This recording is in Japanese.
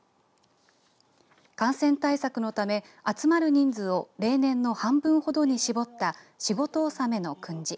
感染対策のため集まる人数を例年の半分ほどに絞った仕事納めの訓示。